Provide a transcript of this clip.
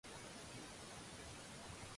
鞍馬之勞